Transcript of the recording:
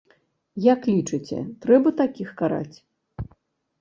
Як лічыце, трэба такіх караць?